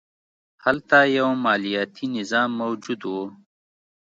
هلته یو مالیاتي نظام موجود و